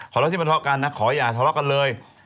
ขอร้องที่มันทอดกันนะขออย่าทอดกันเลย